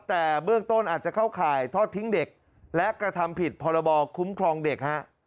แต่เบื้องต้นอาจจะเข้าข่ายทอดทิ้งเด็กและกระทำผิดพรบคุ้มครองเด็กฮะ